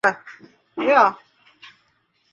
Wageni hujifunza utamaduni wa kisiwani hapo